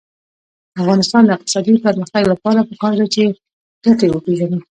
د افغانستان د اقتصادي پرمختګ لپاره پکار ده چې ګټې وپېژنو.